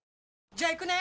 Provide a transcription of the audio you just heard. じゃあ行くね！